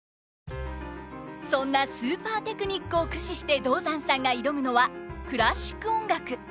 そんなスーパーテクニックを駆使して道山さんが挑むのはクラシック音楽！